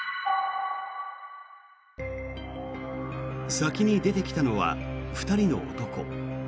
先に出てきたのは２人の男。